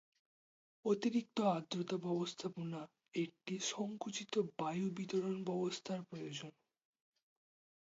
অতিরিক্ত আর্দ্রতা ব্যবস্থাপনা একটি সংকুচিত বায়ু বিতরণ ব্যবস্থার প্রয়োজন।